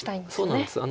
そうなんです。